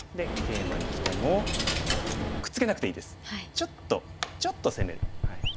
ちょっとちょっと攻める。